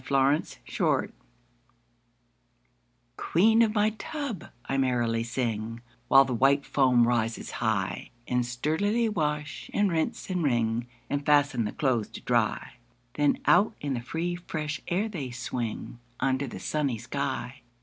8 Autoplay Queen of my tub, I merrily sing, While the white foam raises high, And sturdily wash, and rinse, and wring, And fasten the clothes to dry; Then out in the free fresh air they swing, Under the sunny sky.